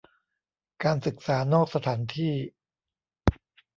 การศึกษานอกสถานที่